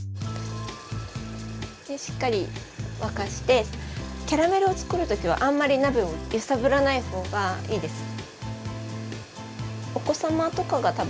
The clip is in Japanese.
しっかり沸かしてキャラメルを作る時はあんまり鍋を揺さぶらない方がいいです。